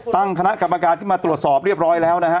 ตั้งคณะกรรมการขึ้นมาตรวจสอบเรียบร้อยแล้วนะฮะ